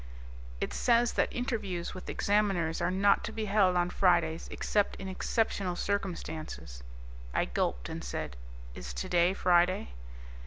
"It says that interviews with Examiners are not to be held on Fridays except in exceptional circumstances." I gulped and said, "Is today Friday?"